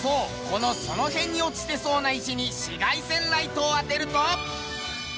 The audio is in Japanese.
このその辺に落ちてそうな石に紫外線ライトを当てると。